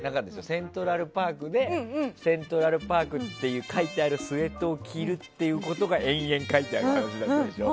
セントラルパークでセントラルパークって書いてあるスウェットを着るということが延々書いてある感じだったでしょ。